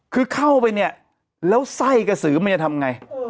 คือเข้าไปเนี่ยแล้วไส้กระสือมันจะทำไง